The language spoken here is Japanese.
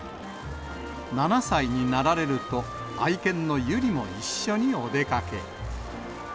７歳になられると、愛犬の由莉も一緒にお出かけ。